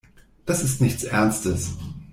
Das ist nichts Ernstes.